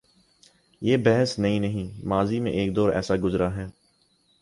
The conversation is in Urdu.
یہ بحث نئی نہیں، ماضی میں ایک دور ایسا گزرا ہے۔